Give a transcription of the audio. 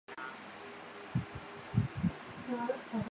弗雷斯努瓦莱沙托人口变化图示